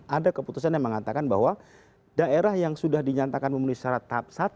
ada keputusan yang mengatakan bahwa daerah yang sudah dinyatakan memenuhi syarat tahap satu